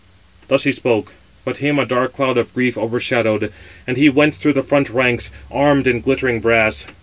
Thus he spoke; but him a dark cloud of grief overshadowed, and he went through the front ranks, armed in glittering brass.